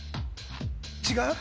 違う？